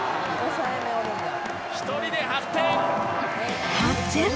１人で８点。